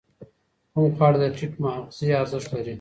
کوم خواړه د ټیټ مغذي ارزښت لري؟